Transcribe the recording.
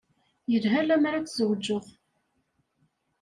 Yelha lemmer ad tzewǧeḍ.